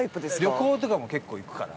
旅行とかも結構行くから。